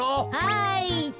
はい。